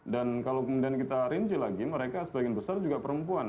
dan kalau kemudian kita rinci lagi mereka sebagian besar juga perempuan